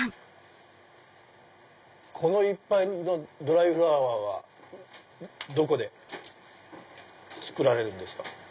このいっぱいのドライフラワーはどこで作られるんですか？